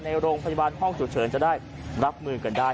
ในโรงพยาบาลห้องฉุกเฉินจะได้รับมือกันได้